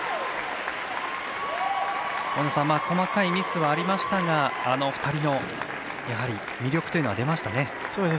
細かいミスはありましたがあの２人の魅力というのは出ましたね。